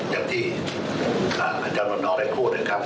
อย่างที่อาจารย์วันนอได้พูดนะครับ